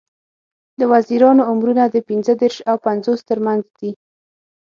د وزیرانو عمرونه د پینځه دیرش او پینځوس تر منځ دي.